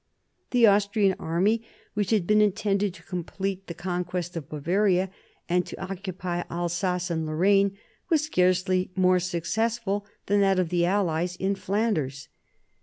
The Austrian army, which had been intended to complete the con quest of Bavaria and to occupy Alsace and Lorraine, was scarcely more successful than that of the allies in Flanders.